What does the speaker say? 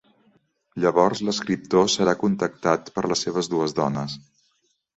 Llavors l’escriptor serà contactat per les seves dues dones.